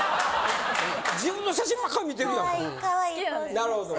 自分の写真ばっか見てるやん。